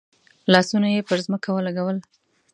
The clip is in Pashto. لاسونه یې پر ځمکه ولګول.